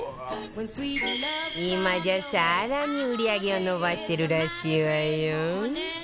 今じゃ更に売り上げを伸ばしてるらしいわよ